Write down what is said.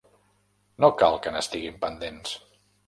No cal que n'estiguin pendents.